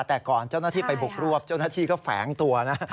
แต่ก่อนเจ้าหน้าที่ไปบุกรวบเจ้าหน้าที่ก็แฝงตัวนะ